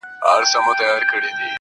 چي څرنگه تصوير به مصور ته په لاس ورسي؟